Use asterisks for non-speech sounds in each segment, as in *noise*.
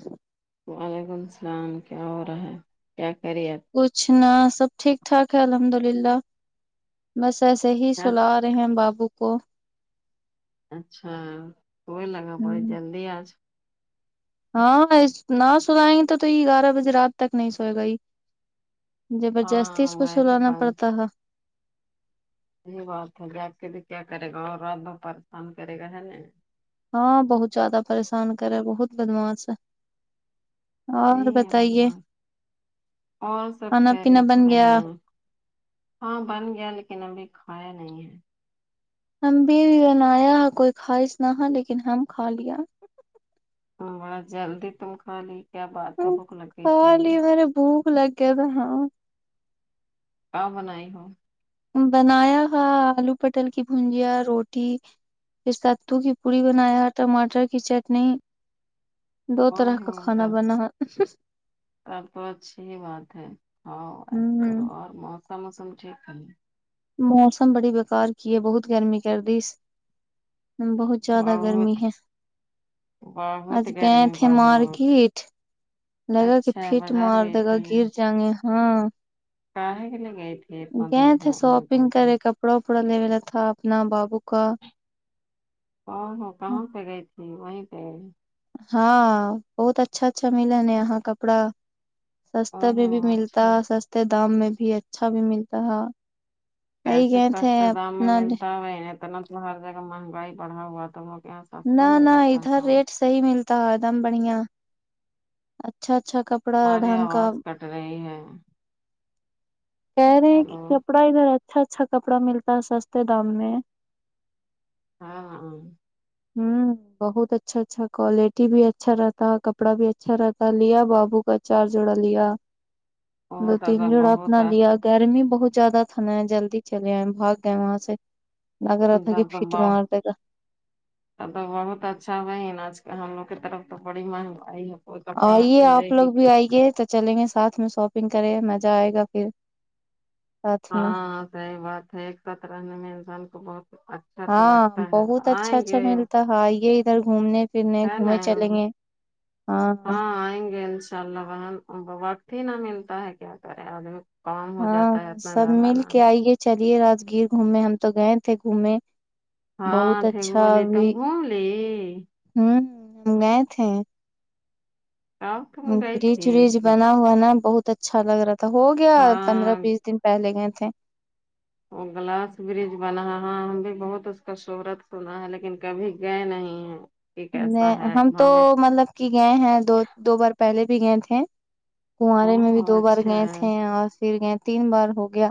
جیی وعلیکم السلام کیا ہو رہا ہے کیا خریت کچھ نہ سب ٹھیک ٹھاک ہے الحمد للہ بس ایسے ہی سلار رہے ہیں بابو کو اچھا واہی لگا بڑی ہوں جلدی آج ہاں نہ سنائیں گے تو یہ گیارہ بجے رات تک نہیں سوئے گا یہ زبردستی اس ہاں کو میں بھی سلانا بند پڑتا ہے یہی بات ہے جاگ کے بھی کیا کرے گا اور رات بھر پریشان کرے گا ہے نا ہاں بہت زیادہ پریشان کرے بہت بدماس ہے اور یہی ہے بتائیے بدماش اور سب کھانا پینا خیریت بن رہے گیا ہیں ہاں بن گیا لیکن ابھی کھایا نہیں ہے ہم بھی بھی بنایا ہے کوئی خواہش نہ لیکن ہم کھا لیا ہاں بڈا جلدی تم کھا لی کیا بات ہے بھوک لگئی تھی ارے بھوک لگے کیا د ہاں کیا بنائی ہو بنایا تھا آلو پٹل کی بھجیا روٹی پھر کددو کی پوڑی بنایا ہے ٹماٹر کی چٹنی دو او طرح کا کھانا بناہے اور تو اچھی ہی بات ہے ہاں ایسے ہوں کرو اور موسم ووسم ٹھیک ہے موسم بڑی بکار کی ہے بہت گرمی کردس بہت زیادہ بہت گرمی ہے بہت آج گئے گرمی تھے بہت مارکیٹ لگا کے اچھا پٹ بازار مار گئی دے گا گر جائیں گے ہاں کاھے کے لیے گئی تھی اتنا گئے دھوپ تھے میں تم شاپنگ کرے کپڑا لینا تھا اپنا بابو کا آ ہ ہو کہاں پہ گئی تھی وہیں پہ ہاں بہت اچھا اچھا ملانا یہاں کپڑا او سستا بھی ہو بھی ملتا اچھا سستے دام میں بھی اچھا بھی ملتا ہے وہی پیسے گئے تھے سستے دام میں اپنا ملتا ہو اتنا تو ہر جگہ مہنگائی بڑھا ہوا تھا وہ یہ نہ نہ ادھر ریٹ سہی ملتا ایک دم بڑھیا اچھا اچھا کپڑا ڈنھکا رہے ہیں کہہ رہے ہیں کہ کپڑا ادھر اچھا اچھا کپڑا ملتا ہے سستے دام میں ہاںاں ہاں ہوں بہت اچھا اچھا کوالٹی بھی اچھا رہتا ہے کپڑا بھی اچھا رہتا لیا بابو کا چار جوڑا لیا دو بہت تین زیادہ جوڑا بہت اپنا لیا گرمی بہت زیادہ تھانا ہے جلدی چلے آئے بھاگ گئے وہاں سے لگ ا رہا تھا کہ فٹ ددبا مار *unintelligible* دے گا اب تو بہت اچھا بہن آج کل ہم لوگ کی طرف تو بڑی مہنگائی ہے کوئی کپڑا آئیے لے آپ گی لوگ بھی آئیے تو چلیں گے ساتھ میں شاپنگ کریں مزہ آئے گا پھر ساتھ میں ہاں سہی بات ہے ایک ساتھ رہنے میں انسان کو بہت اچ ہاں بہت اچھا اچھا ملتا ہے یہ ادھر گھومنے پھرنے ہے نا گھومنے چلیں گے ہاں آئیں نگے انشا ان شاء اللہ بہن وقت ہی نہ ملتا ہے کیا کریں آدمی کام ہو جاتا ہے ہاں اتنا سب زیادہ مل نا کے آئیے چلیے راگیر گھومے ہم تو گئے تھے گھومے ہاں بہت *unintelligible* گھوم لے ھممم گئے تھے کب تم گئی برج تھی وریج بنا ہوا نا بہت اچھا لگ رہا تھا ہو گیا پندرہ ہاں بیس دن پہلے گئے تھے وہ گلاس برج بنا ہے ہم بھی بہت اس کا شہورت سنا ہے لیکن کبھی گئے نہیں ہیں کہ کیسا نہیں ہے ہم تو ہمیں مطلب کہ گئے ہیں دو دو بار پہلے بھی گئے تھے او کنوارے میں بھی دو بار گئے اچھا تھے اور پھر گئے تین بار ہو گیا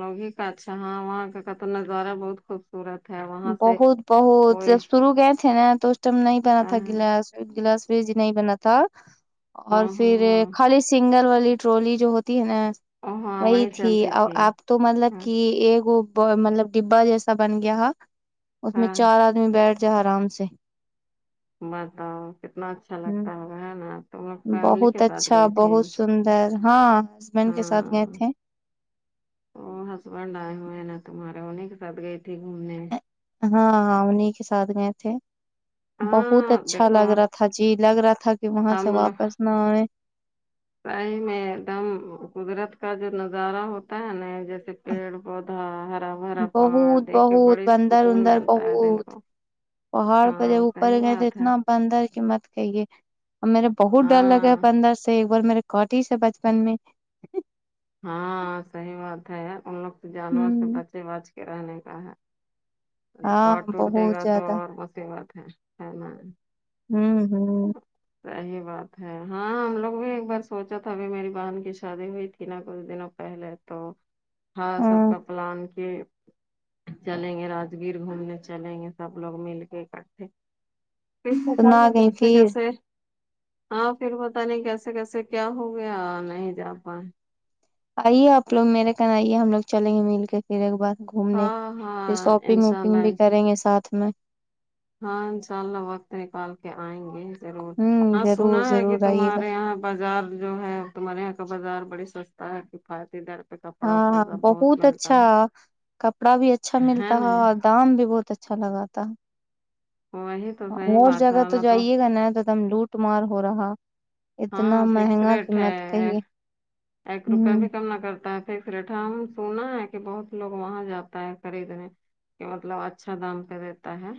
لوگ ہی کاچھا ہاں وہاں کا نظارہ بہت خوب صورت ہے وہاں سے بہت بہت کوئی جب شروع گئے تھے نا تو اس ٹائم نہیں بنا تھا گلاس گلاس بریج نہیں بنا تھا او اور پھر خالی سنگل والی ٹرولی جو ہوتی ہے نا وہی تھی آ آپ تو مطلب ہاں کہ ایک مطلب ڈبا جیسا بن گیا اس میں چار آدمی بیٹھ جا آرام سے بتاؤ کتنا اچھا ہ لگتا ہوگا ہے نا تم لوگ فیملی بہت کے ساتھ اچھا گئی تھی بہت سندر ہاں ہسبینڈ کے ساتھ گئے تھے او ہسبینڈ آئے ہوئے ہیں نا تمہارے انہی کے ساتھ گئی تھی گھومنے ہاں ہاں انہی کے ساتھ گئے تھے بہت ہاں اچھا دیکھو لگ رہا تھا جی لگ رہا تھا کہ وہاں سے واپس نہ آئے سہی میں ایک دم قدرت کا جو نظارہ ہوتا ہے نا جیسے پیڑ پودا ہرا بھرا پہاڑ بہت دیکھ کے بہت بڑی بندر سکون اندر ملتا ہے دل بہت کو پہاڑ پہ جب ہاں اوپر صحیح گئے تو بات ہے اتنا بندر کی مت کہیے اور میرے بہت ڈر لگا ہے ہاں بندر سے ایک بار میرے کاٹی سے بچپن میں ہاں صحیح بات ہے ان لوگ تو جانور سے ہوں بچے بچ کے رہنے کا ہے تو ہاں کاٹ ٹوٹ دے بہت گا تو زیادہ اور مصیبت ہے ہے نہ ھمم ھمم صحیح بات ہے ہاں ہم لوگ بھی ایک بار سوچا تھا ابھی میری بہن کی شادی ہوئی تھی نہ کچھ دنوں پہلے تو تھا سب ہاں کا پلان کے چلیں گے راجگیر گھومنے چلیں گے سب لوگ مل کے اکٹھے تو نہ *unintelligible* گئی کیسے پھر کیسے ہاں پھر پتا نہیں کیسے کیسے کیا ہو گیا نہیں جا پائے آئیے آپ لوگ میرے کن آئیے ہم لوگ چلیں گے مل کے پھر ایک بار گھومنے ہاں پھر ہاں شاپنگ انشاء وپنگ اللہ بھی کریں گے ساتھ میں ہاں انشاء اللہ وقت نکال کے آئیں گے ضرور ہوں ہاں سنا ضرور ہے کہ ضرور آئیے گا تمہارے یہاں بازار جو ہے تمہارے یہاں کا بازار بڑی سستا ہے کفایتی در پہ کپڑا ہاں وپڑا ہاں سب بہت ملتا اچھا کپڑا بھی اچھا ہے ملتا نا ہے اور دام بھی بہت اچھا لگا وہی تو صحیح اور بات جگہ ہے تو نہ جائیے گا نہ تو ایک دم لوٹ مار ہو رہا ہاں اتنا فکس مہنگا ریٹ قیمت ہے کہیے ایک روپیہ ہوں بھی کم نہ کرتا ہے ریٹھا ہم سنا ہے کہ بہت لوگ وہاں جاتا ہے خریدنے کہ مطلب اچھا دام پہ دیتا ہے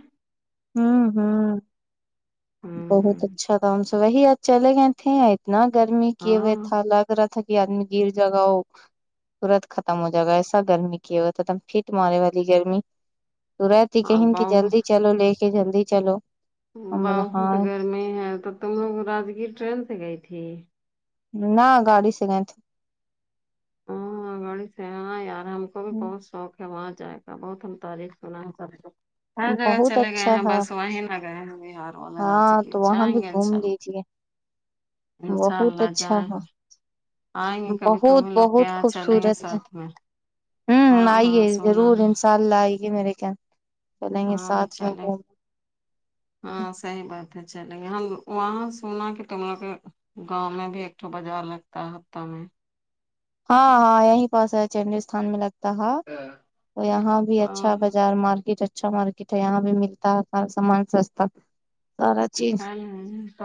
ھمم ھمم بہت ہوں اچھا تھا ان سے وہی آج چلے گئے تھے یہ آئے اتنا گرمی کیے ہوئے ہاں تھا لگ رہا تھا کہ آدمی گر جگاؤ تورنت ختم ہو جائے گا ایسا گرمی کی ہو تھا ایک دم ہٹ مارے والی گرمی تو رہتی ہاں کہیں کہ بہت جلدی چلو لے کے جلدی چلو ہم بولا بہت ہاں گرمی ہے تو تم لوگ راجگیر ٹرین سے گئی تھی نہ گاڑی سے گئے تھے ہاں گاڑی سے یارا ہم کو بھی تھے بہت شوق وہاں جائے گا بہت ہم تعریف سنا ہے سب سے ہر جگہ بہت چلے گئے اچھا ہیں ہے بس وہیں نہ گئے ہیں بہار والے ہاں راجگر تو وہاں جائیں بھی گے گھوم انشاء اللہ *inaudible* انشاء بہت اللہ اچھا جان ہے آئیں گے کبھی تو بہت ملوں گی آپ بہت ہاں چلیں گے خوبصورت ہے ساتھ میں ہاں ہاں سونا ہے کل آئے گی میرے جان چلیں گے ہاں ساتھ میں چلیں کو ہاں صحیح بات ہے چلے وہاں سونا کہ دکان میں گاؤں میں بھی ایکٹو بازار لگتا ہے ہفتہ میں ہاں ہاں یہیں پہس ہے چڈیتھان میں لگتا تو ہی یہاں بھی ہاں اچھا ہاں بازار مارکیٹ اچ اچھا مارکیٹ ہے یہاں بھی ملتا ہے سارا سامان سستا سارا تو چیز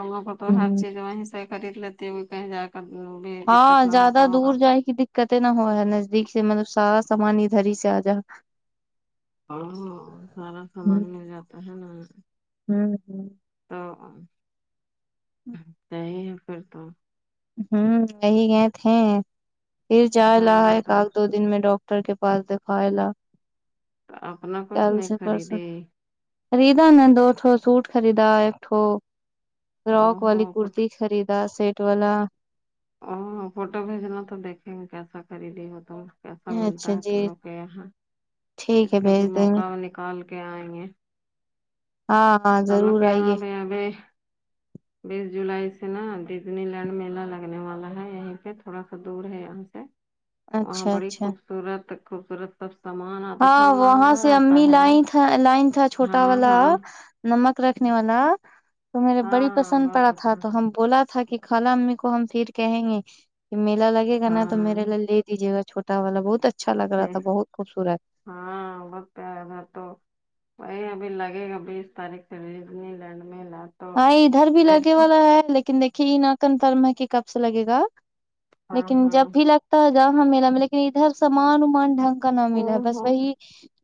وہ پ تو ہر ہوں چیز وہیں سے خرید لیتی کہیں جا کر بھی ہاں دقت نہ زیادہ ہوتا ہوگا دور جائے گی دیک دقتیں نا ہو رہا ہے نزدیک سے مطلب سارا سامان ادھر ہی سے آ جا اوہو سارا سامان مل جاتا ہے نا ہاں جی تو صحیح ہے پھر تو ہمم یہی گئے تھے پھر جا ہاں رہا ہاں ہے تو کالتوت دن میں ڈاکٹر کے پاس دکھائے لا اپنا کچھ کل نہیں سے پرسوں خریدی خریدا نا دو ٹھو سوٹ خریدا ایک دو ٹھو او فرواک ہو والی کرتی خریدا سیٹ والا او فوٹو بھیجنا تو دیکھیں گے کیسا خریدی ہو تم کیسا ملتا اچھا ہے تم جی لوگ کے یہاں پھر ٹھیک ہے کبھی بھیج دیں گے موقع نکال کے آئیں گے ہاں آپا ہم لوگ ضرور کے آئیے یہاں بھی ابھی بیس جولائی سے نا ڈزنی لینڈ میلا لگ لگنے والا ہے یہیں پے تھوڑا سا دور ہے یہاں سے وہاں اچھا بڑی اچھا خوب سورت خوبصورت سب سامان آتا ہاں تھوڑا وہاں مہنگا سے رہتا امی ہے لائ تھا لائ تھا چھوٹا ہاں والا ہاں نمک رکھنے والا تو میرے ہاں بڑی ہاں پسند بہت پڑا تھا اچھا تو ہم بولا تھا کی کال امی کو ہم پھر کہیں گے کہ میلا لگے گا نا تو میرے ہاں لے لے دیجیے گا چھوٹا والا بہت اچھا لگ رہا تھا بہت خبصورت ہاں وقت ہے میں تو وہی ابھی لگے گا بیس تاریخ سے ڈیزنی لینڈ میلا ہاں ادھر بھی لگے والا ہے لیکن دیکھیے یی نہ کنفرم ہے کی کب سے لگے گا ہاں لیکن ہاں جب بھی لگتا ہے جاماں میلہ میں لیکن ادھر سامان امان ڈھنگ کا نہ او ملا ہے بس ہو وہی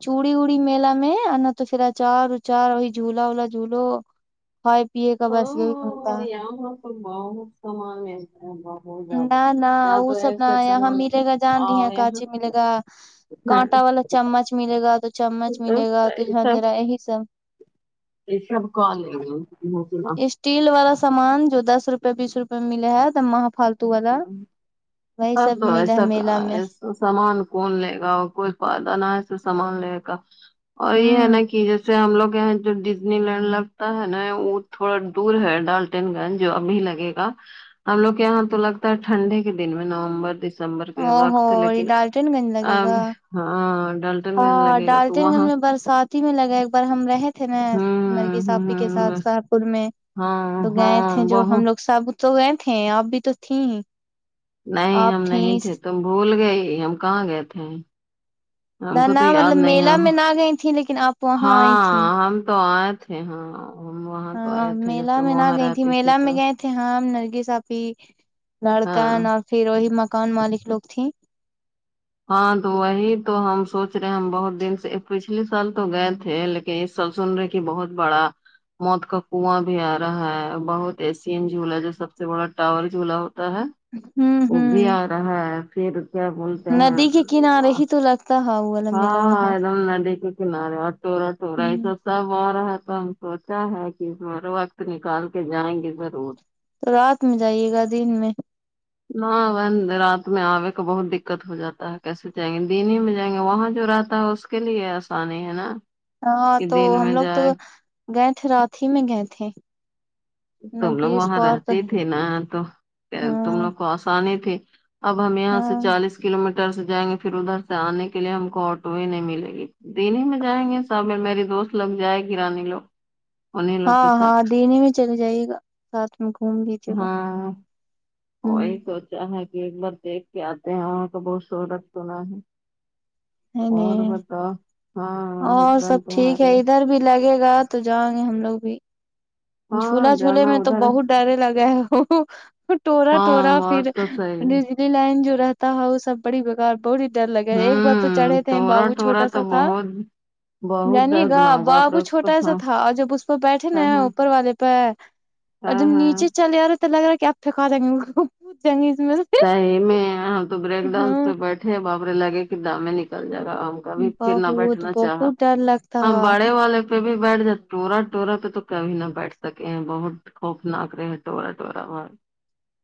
چوڑی اوڑی میلا میں آنا تو پھر اچار اچار وہی جھولا وولا جھولو کھائے پیے کا بس یہی گھومتا ہے تم بہت سمان لے تی ہو نہ نہ وہ سب نہ یہاں سامان ملے گا جان رہی ہیں اور یہاں کاچی ملے گا کانٹا والا چمچ ملے گا تو چمچ ملے گا تو جھنجرا یہی سب یے سب کالے رہی *unintelligible* اسٹیل والا سامان جو دس روپے بیس روپے ملے ہے تب وہاں فال تو والا ہاں وہی سب تو ملا ہے ایسا میلا میں ایسا سامان کون لے گا کوئی فائدہ نہ ہے تو سامان لے نے کا اور یے ہے ہوں نا کی جیسے ہم لوگ ہے جو ڑیز نی لنڈ لگتا ہے نا وہ تھوڑا دور ہے ڈالٹین گنج جو ابھی لگے گا ہم لوگ یہاں تو لگتا ہے ٹھنڈے کے دن میں نومبر ڈس دسمبر کے او ہو وقت لیکن ڈالٹن گنج لگے اب گا ہاں ڈل ہاں ڈالٹین گنج میں برسات ک میں لگا ایک بار ہم رہے تھے نا نرگیس ہوں اپپی کے ساتھ ہ سہرپور میں ہاں تو گئے تھے ہاں جو ہم بہت لوگ سب تو گئے تھے آپ بھی تو تھیں نہیں آپ ہم نہیں تھیں تھے تم بھول گئی ہم کہاں گئے تھے ہم نہ کو تو نہ یاد مطلب نہیں ہے میلہ میں نہ گئی تھی لیکن آپ وہاں آئی تھی ہاں ہم تو آئے تھے ہاں وہاں تو ہاں آئے تھے جب میلہ تو میں نہ وہاں گئی رہتی تھی میلہ تو میں گئے تھے ہاں نرگس اپی ہاں لڑکن اور پھر وہی مکان مالک لوگ تھیں ہاں تو وہی تو ہم سوچ رہے ہم بہت دن سے پچھلے سال تو گئے تھے لیکن کہ سب سن رہے کہ بہت بڑا موت کا کنواں بھی آ رہا ہے بہت ای سین جھولا ہے جو سب سے بڑا ٹاور جھولا ہوتا ہے ہوں وہ بھی ہوں آ رہا ہے پھر کیا بول ندی کے کنارے ہی تو لگتا ہے وہ والا میلہ ہاں ہاں وہاں ایک دم ندی کے کنارے چورا ٹورا یہ ہ سب سب ہو رہا ہے تو ہم سوچا ہے کہ اس بار وقت نکال کے جائیں گے ضرور تو رات میں جائیے گا دن میں نہ بہن رات میں آے کو بہت دکت ہو جاتا ہے کیسے جائیں گے دن ہی میں جائیں گے وہاں جو رہتا ہے اس کے لیے آسانی ہے نا ہاں کہ تو دن ہم میں لوگ تو جائے گئے تھے رات ہی میں گئے تھے تم لوگ ندی اس وہاں پار تو رہتی ہے تھی نا تو تم ہاں لوگ کو آسانی تھی اب ہم یہاں سے ہاں چالیس کلو میٹر سے جائیں گے پھر ادھر سے آنے کے لیے ہم کو آٹو ہی نہیں ملے گی دن ہی میں جائیں گے سامل میری دوست لگ جائے گرانے لوگ انہیں لوگ ہاں کے ساتھ ہاں دینی میں چل جائے گا ساتھ گھوم لیجئے گا ہمم چ ہے کہ ایک بار دیکھ کے آتے ہیں وہاں کا بہت شوڈت سنا ہے ہے اور نہیں بتاو اور سب ٹھیک ہے ادھر بھی لگے گا تو جائیں گے ہم لوگ بھی ہاں جھولا جھولے جانا میں تو ادھر بہت ڈرے لگے ا ٹورا ٹورا ہاں پھر بات تو صحیح ہے۔ ڈجلی لائن جو رہتا ہے وہ سب بڑی بیگار بہتی ڈر لگے ہے ایک بار تو ہوں چڑھے تھے ٹورا بابو ٹورا چھوٹا سا تو تھا بہت بہت جانیے گا دردناک باپ رے بابو اس کو چھوٹا سا ہاں تھا اور جب اس پر بیٹھے ہاں نا ہاں اوپر وال والے پ اور جب ہاں ہاں نیچے چلے آ رہے تو لگ رہا کہ آپ پھینکا دیں گے پوچ جیں گے اس دہی میں تو بریک ڈاؤنس پہ ہاں بیٹھے باپرے لگے کہ دام میں نکل جائے گا آ کا بھی پھرنا بہت بیٹھنا چاہا بہت ڈر لگتا ہاں باڑے والے پہ بھی بیٹھ جات ٹورا ٹورا پہ تو کبھی نہ بیٹھ سکے ہیں بہت خوفناک رہے ںٹوورا ٹوورا ب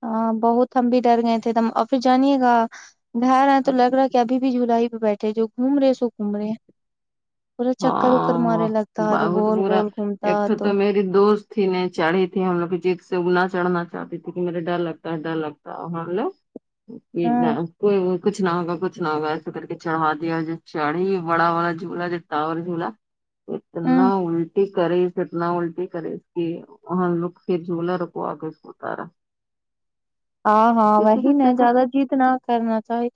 ہاں بہت ہم بھی ڈر گئے تھے تم اور پھر جانیے گا گا رہا ہیں تو لگ رہا ہے کہ ابھی بھی جولائی پہ بیٹھے جو گھوم رہے سو گھوم رہے ہیں ہاں بہت گول برا گول گھومتا ایک تو تو میری دوست تھی نے چڑھی تھی ہم لگ کی جیت سے اگنا چڑھنا چاہتی تھی کہ میرے ڈر لگتا ہے ڈر لگتا ہے اور ہم لوگ ہاں نہ کوئی وہ کچھ نہ ہوگا کچھ نہ ہوگا ایسا کر کے چڑھا دیا جو چڑھی بڑا والا جھولا جو ٹاور جھولا ہاں اتنا الٹی کرے اس اتنا الٹی کرے اس کی وہاں لک کے جھولا رکوا کے اس کو اتارا ہاں ہاں کسی وہی کسی ن کو زیادہ جیت نہ کرنا چاہی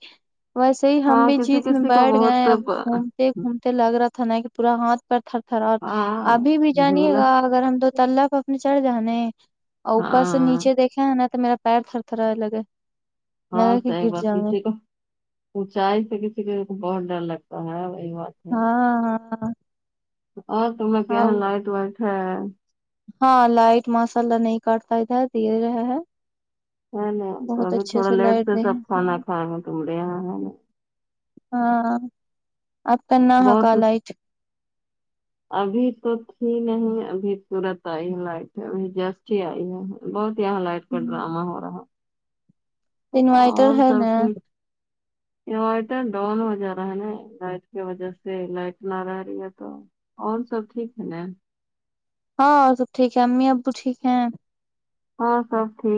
ویسے ہی ہم ہاں بھی کسی جیت میں کسی کو بیٹھ گئے بہت ہیں اب گھوم گھومتے لگ رہا تھا نا کہ پورا ہاتھ پر تھر تھرا اور ہاں ابھی بھی جانیے جھولا گا اگر ہم دو تلب اپنے چڑھ جانے ہے اور اوپر سے ہاں نیچے دیکھے ہے نا تو میرا پیر تھر تھھرا لگے ہاں لگا کہ صحیح گر بات جاؤں گے کسی کو اونچائی سے کسی کو بہت ڈر لگتا ہے وہی بات ہاں ہاں ا تم لوگ کے ہاں یہاں لائٹ وائٹ ہے ہاں لائٹ مساللہ نہیں کاٹتا ادھر دے رہا ہے ہے ن تو بہت ابھی اچھے تھوڑا لیٹ لائٹ سے دے سب ہاں کھانا کھائیں گے تمے یہاں ہے نا ہاں آپ کا نہ ہ بہت کال ہی چ ابھی تو تھی نہیں ابھی تھوڈا ٹائم ہے لائٹ ابھی جسٹی آئی ہے بہت ہیا لائٹ کا ڈراما ہو رہا ہے انورائٹر ہے نا انورٹر ڈاؤن ہو جا رہا ہے نا لائٹ کی وجہ سے لائٹ نہ رہ رہی ہے تو اور سب ٹھیک ہے نا ہاں اور سب ٹھیک ہے امی ابو ٹھیک ہے ہاں سب ٹھیک